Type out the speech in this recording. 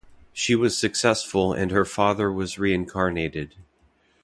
She was successful and her father was reincarnated.